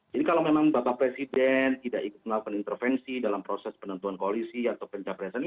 jadi kalau memang bapak presiden tidak ikut melakukan intervensi dalam proses penentuan koalisi atau pencapaian presiden